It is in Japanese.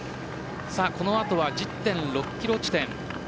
この後は１０．６キロ地点